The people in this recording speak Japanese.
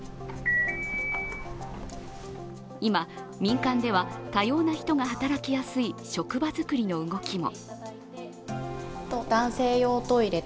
今、民間では多様な人が働きやすい職場作りの動きも。